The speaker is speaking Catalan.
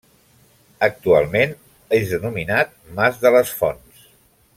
Actualment és denominat Mas de les Fonts.